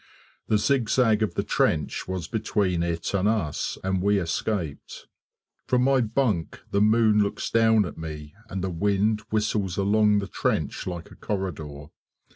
The zigzag of the trench was between it and us, and we escaped. From my bunk the moon looks down at me, and the wind whistles along the trench like a corridor.